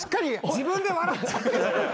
自分で笑っちゃってる。